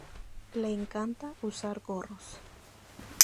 Le encanta usar gorros.